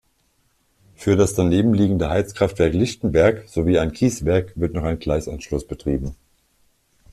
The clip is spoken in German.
Für das daneben liegende Heizkraftwerk Lichtenberg sowie ein Kieswerk wird noch ein Gleisanschluss betrieben.